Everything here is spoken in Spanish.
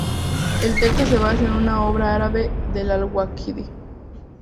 El texto se basa en una obra árabe de al-Waqidi.